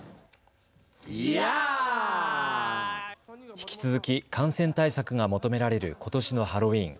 引き続き感染対策が求められることしのハロウィーン。